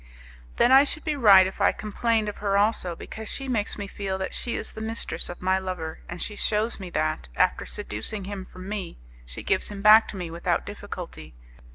"Then I should be right if I complained of her also, because she makes me feel that she is the mistress of my lover, and she shews me that, after seducing him from me, she gives him back to me without difficulty.